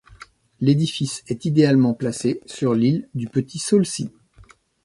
L'édifice est idéalement placé sur l’île du Petit-Saulcy.